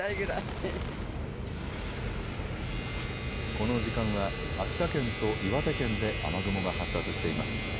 この時間は秋田県と岩手県で雨雲が発達しています。